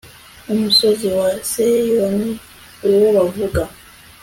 umusozi wa siyoni uwo bavuga